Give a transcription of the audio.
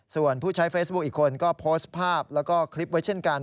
ส่วนผู้ใช้เฟซบุ๊คอีกคนก็โพสต์ภาพแล้วก็คลิปไว้เช่นกัน